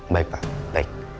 baik pak baik